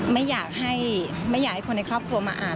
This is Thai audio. ไม่อยากให้คนในครอบครัวมาอ่าน